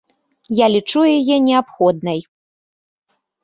Я лічу яе неабходнай.